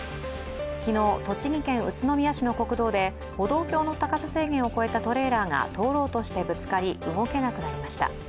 昨日、栃木県宇都宮市の国道で歩道橋の高さ制限を超えたトレーラーが通ろうとしてぶつかり、動けなくなりました。